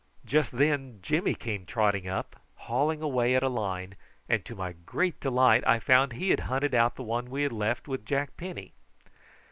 Just then Jimmy came trotting up, hauling away at a line, and to my great delight I found that he had hunted out the one we had left with Jack Penny.